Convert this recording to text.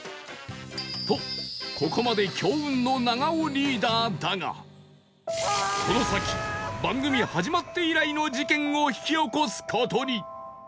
とここまで強運の長尾リーダーだがこの先番組始まって以来の事件を引き起こす事に